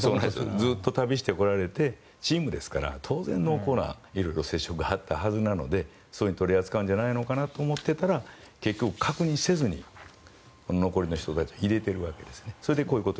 ずっと旅してこられてチームですから当然濃厚な色々な接触があったはずなのですぐに取り扱うのではと思ってたんですけれども結局確認せずに、残りの人たちを入れているわけです。